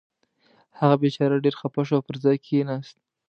هغه بېچاره ډېر خفه شو او پر ځای کېناست.